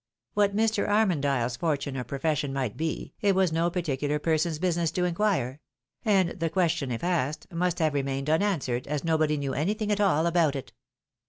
What Mr. Armondyle's fortune or profession might be, it was no particular person's business to inquire ; and the question, if asked, must have remained unanswered, as nobody knew anything at all about it.